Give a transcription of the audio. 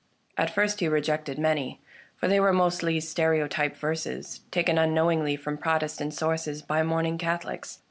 At first he rejected many, for they were mostly ste reotyped verses, taken unknowingly from Protestant sources by mourning Catholics.